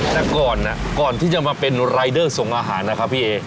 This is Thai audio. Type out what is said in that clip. แต่ก่อนก่อนที่จะมาเป็นรายเดอร์ส่งอาหารนะครับพี่เอ